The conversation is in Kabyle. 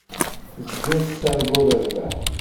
Tezgiḍ tettarguḍ rrbeḥ.